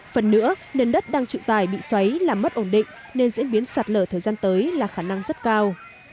phần nữa nền đất đang chịu tài bị xoáy làm mất ổn định nên diễn biến sạt lở thời gian tới là khả năng rất cao